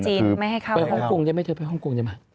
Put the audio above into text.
ไม่ให้เข้าไปฮ่องกรุงจะไม่ถือไปฮ่องกรุงจะไม่